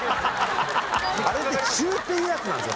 あれって「中」っていうやつなんですか？